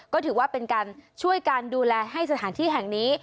ก็ถือว่าเป็นการช่วยการดูแลให้สถานที่แห่งนี้